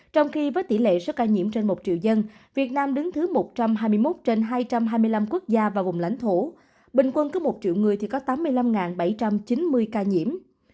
trong khi với tỷ lệ số ca nhiễm trên một triệu dân việt nam đứng thứ một trăm hai mươi một trên hai trăm hai mươi năm quốc gia và vùng lãnh thổ bình quân có một triệu người thì có tám mươi năm bảy trăm chín mươi ca nhiễm